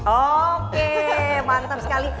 oke mantep sekali